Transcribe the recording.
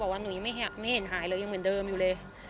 ว่าหนูยังไม่เห็นหายเลยยังเหมือนเดิมอยู่เลย